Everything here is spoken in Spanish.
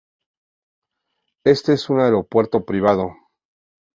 Este es un aeropuerto privado.